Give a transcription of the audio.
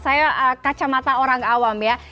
saya kacamata orang awam ya